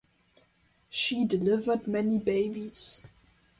She delivered many babies.